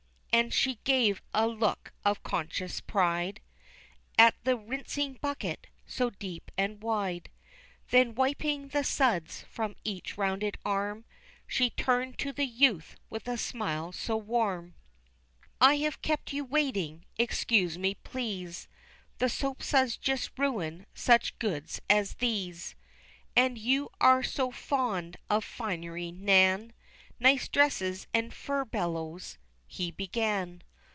and she gave a look of conscious pride At the rinsing bucket, so deep and wide, Then wiping the suds from each rounded arm, She turned to the youth with a smile so warm; "I have kept you waiting, excuse me please The soap suds just ruin such goods as these." "And you are so fond of finery, Nan, Nice dresses, and furbelows," he began.